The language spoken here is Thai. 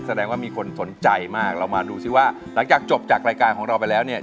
แสดงว่ามีคนสนใจมากเรามาดูซิว่าหลังจากจบจากรายการของเราไปแล้วเนี่ย